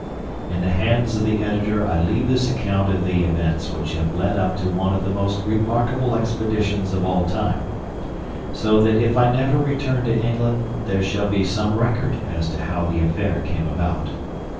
In the hands of the editor I leave this account of the events which have led up to one of the most remarkable expeditions of all time, so that if I never return to England there shall be some record as to how the affair came about.